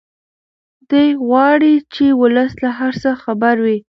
دی غواړي چې ولس له هر څه خبر وي.